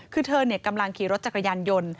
คือเธอกำลังขี่รถจักรยานยนต์